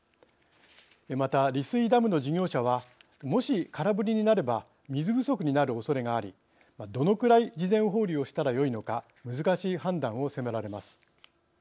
また利水ダムの事業者はもし空振りになれば水不足になるおそれがありどのくらい事前放流をしたらよいのか難しい判断を迫られます。